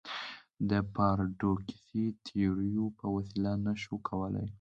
له پاراډوکسي تیوریو په وسیله نه شو کولای.